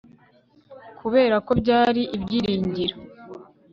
kubera ko byari ibyiringiro